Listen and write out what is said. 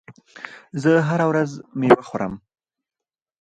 زه هره ورځ میوه خورم.